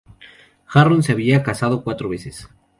Harron se había casado cuatro veces.